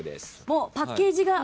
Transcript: もうパッケージが。